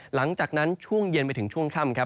หลังจากนั้นช่วงเย็นไปถึงช่วงค่ำครับ